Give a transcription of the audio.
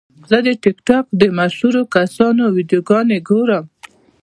زه د ټک ټاک د مشهورو کسانو ویډیوګانې ګورم.